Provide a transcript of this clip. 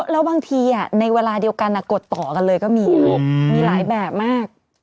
แล้วบางทีในเวลาเดียวกันกดต่อกันเลยก็มีลูกมีหลายแบบมาก